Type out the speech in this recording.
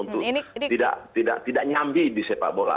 untuk tidak nyambi di sepak bola